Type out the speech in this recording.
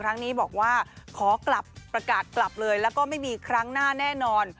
ครั้งนี้บอกว่าขอกลับประกาศกลับเลยแล้วก็ไม่มีครั้งหน้าแน่นอน